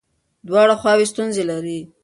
دواړه خواوې ستونزې لري.